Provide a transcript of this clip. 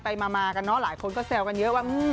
มากันเนอะหลายคนก็แซวกันเยอะว่า